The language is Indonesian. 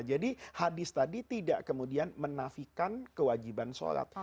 jadi hadis tadi tidak kemudian menafikan kewajiban sholat